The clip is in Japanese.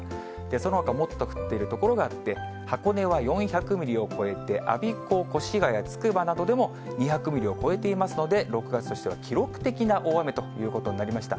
そのほかもっと降っている所があって、箱根は４００ミリを超えて、我孫子、越谷、つくばなどでも２００ミリを超えていますので、６月としては記録的な大雨ということになりました。